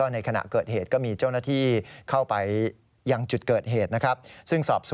ในขณะเกิดเหตุก็มีเจ้าหน้าที่เข้าไปยังจุดเกิดเหตุนะครับ